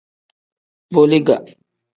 Boliga.